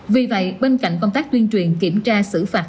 vì vậy bên cạnh công tác tuyên truyền kiểm tra xử phạt